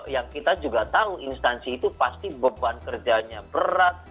yang kita juga tahu instansi itu pasti beban kerjanya berat